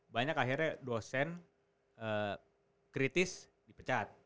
banyak akhirnya dosen kritis dipecat